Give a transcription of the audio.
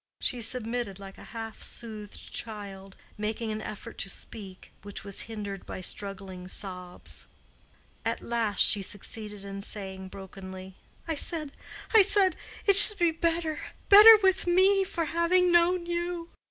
She submitted like a half soothed child, making an effort to speak, which was hindered by struggling sobs. At last she succeeded in saying, brokenly, "I said—I said—it should be better—better with me—for having known you."